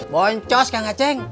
boncos kang aceh